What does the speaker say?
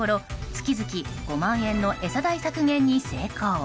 月々５万円の餌代削減に成功。